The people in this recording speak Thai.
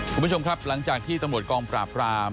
คุณผู้ชมครับหลังจากที่ตำรวจกองปราบราม